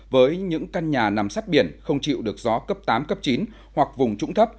với những căn nhà nằm sát biển không chịu được gió cấp tám cấp chín hoặc vùng trũng thấp